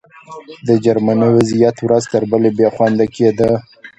د جرمني وضعیت ورځ تر بلې بې خونده کېده